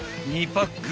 ［２パック］